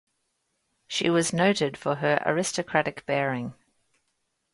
She was noted for her aristocratic bearing.